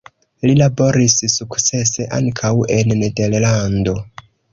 Li laboris sukcese ankaŭ en Nederlando.